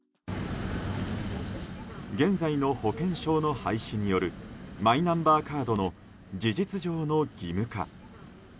現在の保険証の廃止によるマイナンバーカードの事実上の義務化。